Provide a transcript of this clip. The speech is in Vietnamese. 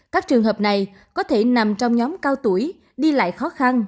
các trường hợp này có thể nằm trong nhóm cao tuổi đi lại khó khăn